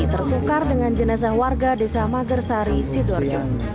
tertukar dengan jenazah warga desa magersari sidoarjo